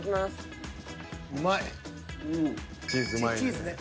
チーズね。